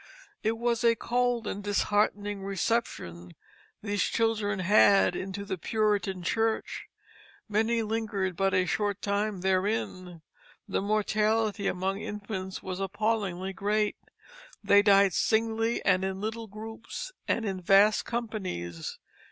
It was a cold and disheartening reception these children had into the Puritan church; many lingered but a short time therein. The mortality among infants was appallingly great; they died singly, and in little groups, and in vast companies.